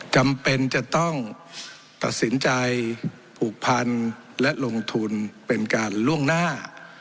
จำเป็นจะต้องตัดสินใจผูกพันและลงทุนเป็นการล่วงหน้า